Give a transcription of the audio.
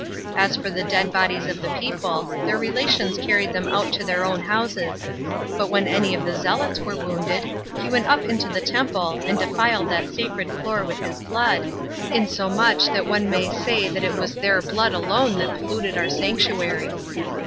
As for the dead bodies of the people, their relations carried them out to their own houses; but when any of the zealots were wounded, he went up into the temple, and defiled that sacred floor with his blood, insomuch that one may say it was their blood alone that polluted our sanctuary.